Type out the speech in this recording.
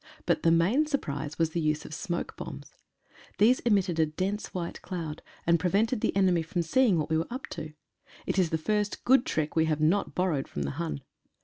But the main surprise was the use of smoke bombs. These emitted a dense white cloud, and prevented the enemy from seeing what we were up to. It is the first good trick we have not bor rowed from the Hun.